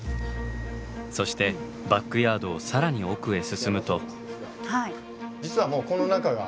そしてバックヤードを更に奥へ進むと。